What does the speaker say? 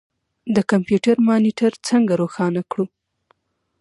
د کمپیوټر مانیټر څنګه روښانه کړو.